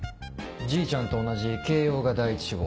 じいちゃんと同じ慶應が第一志望。